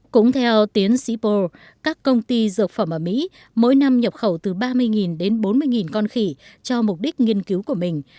cũng theo tiến sĩ po các công ty dược phẩm ở mỹ mỗi năm nhập khẩu từ ba mươi đến bốn mươi con khỉ cho mục đích nghiên cứu của mình